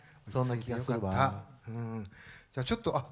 じゃあちょっとあっ